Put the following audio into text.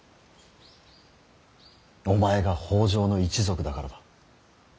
お前が北条の一族だからだ。